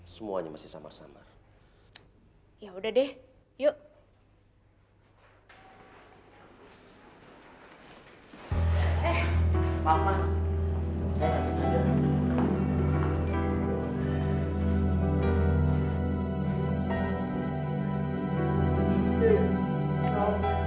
semuanya masih samar samar